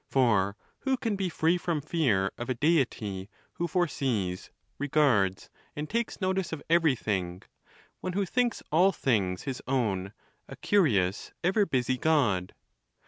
For who can be free from fear of a Deity who foresees, regards, and takes notice of everything; one who thinks all things his own; a curious, ever busy God